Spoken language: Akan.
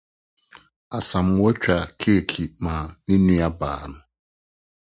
Asamoa twaa keeki maa ne nuabea no.